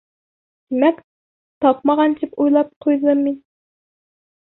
Тимәк, тапмаған тип уйлап ҡуйҙым мин.